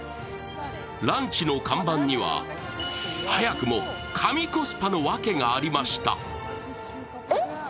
ランチの看板には早くも神コスパの訳がありました。